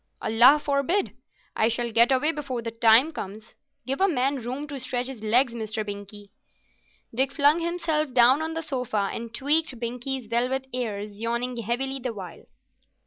"Allah forbid! I shall get away before that time comes. Give a man room to stretch his legs, Mr. Binkie." Dick flung himself down on the sofa and tweaked Binkie's velvet ears, yawning heavily the while.